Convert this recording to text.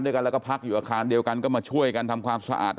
ด้วยกันแล้วก็พักอยู่อาคารเดียวกันก็มาช่วยกันทำความสะอาด